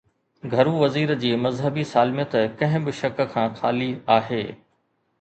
گهرو وزير جي مذهبي سالميت ڪنهن به شڪ کان خالي آهي.